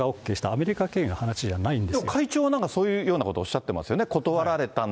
アメリカ経由の話じゃないんですよ、安倍さんはそういうようなことをおっしゃっていますよね。